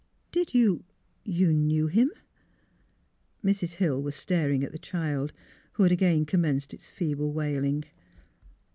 '' Did you — you knew him ?'' Mrs. Hill was staring at the child, who had again commenced its feeble wailing.